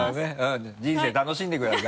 人生楽しんでください。